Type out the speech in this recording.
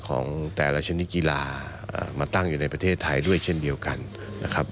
ของแต่ละชนิดกีฬามาตั้งอยู่ในประเทศไทยด้วยเช่นเดียวกันนะครับ